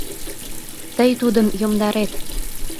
Тый тудым йомдарет!